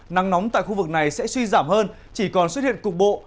nắng nóng tại khu vực này sẽ suy giảm hơn chỉ còn xuất hiện cục bộ